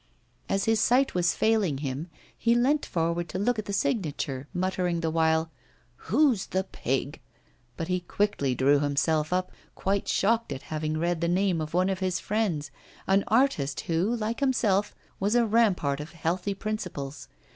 As his sight was failing him, he leant forward to look at the signature, muttering the while: 'Who's the pig ' But he quickly drew himself up, quite shocked at having read the name of one of his friends, an artist who, like himself, was a rampart of healthy principles.